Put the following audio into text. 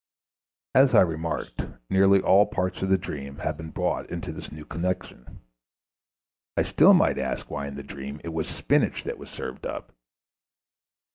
As I remarked, nearly all parts of the dream have been brought into this new connection. I still might ask why in the dream it was spinach that was served up.